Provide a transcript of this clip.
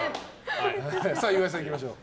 岩井さん、いきましょう。